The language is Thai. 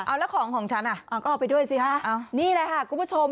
เอาแล้วของของฉันอ่ะเอาก็เอาไปด้วยสิฮะนี่แหละค่ะคุณผู้ชม